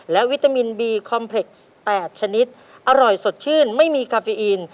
และวิตามินบีคอมเพล็กซ์๘ชนิดอร่อยสดชื่นไม่มีคาเฟอีน